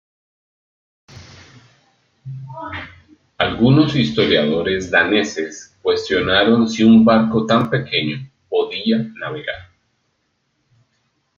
Algunos historiadores daneses cuestionaron si un barco tan pequeño podía navegar.